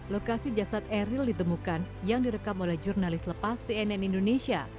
lokasi jasad eril ditemukan yang direkam oleh jurnalis lepas cnn indonesia